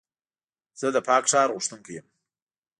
زه د پاک ښار غوښتونکی یم.